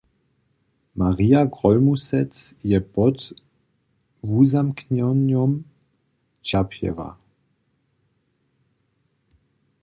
Marja Grólmusec je pod wuzamknjenjom ćerpjeła.